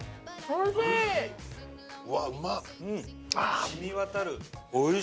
うわっうまっ！